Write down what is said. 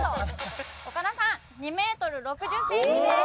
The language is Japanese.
岡田さん２ｍ６０ｃｍです！